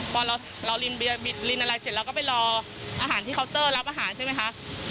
พอเราลีนเบียร์ลีนอะไรเสร็จแล้วก็ไปรออาหารที่เคาเตอร์รับอาหารใช่ไหมคะ